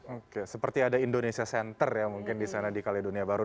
oke seperti ada indonesia center ya mungkin di sana di kaledonia baru